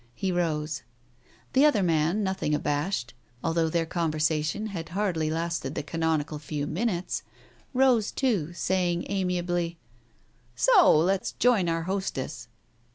He rose. ... The other man, nothing abashed, although their con versation had hardly lasted the canonical few minutes, rose too, saying amiably, "So 1 Let's join our hostess."